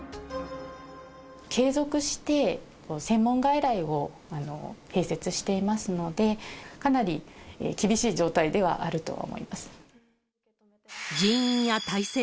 継続して専門外来を併設していますので、かなり厳しい状態ではあるとは思います。